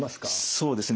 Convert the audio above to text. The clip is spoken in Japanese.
そうですね。